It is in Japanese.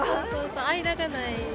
間がない。